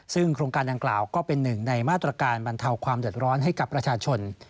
ซึ่งโครงการดังกล่าวก็เป็นหนึ่งในมาตรการบรรเทาความเดือดร้อนให้กับประชาชน